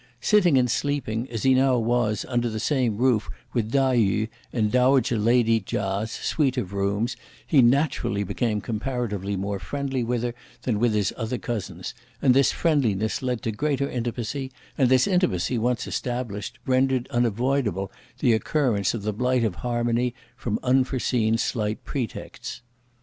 Sitting and sleeping, as he now was under the same roof with Tai yü in dowager lady Chia's suite of rooms, he naturally became comparatively more friendly with her than with his other cousins; and this friendliness led to greater intimacy and this intimacy once established, rendered unavoidable the occurrence of the blight of harmony from unforeseen slight pretexts.